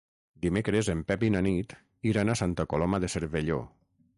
Dimecres en Pep i na Nit iran a Santa Coloma de Cervelló.